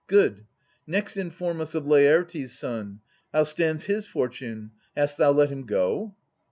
Good. Next inform us of Laertes' son ; How stands his fortune ? Hast thou let him go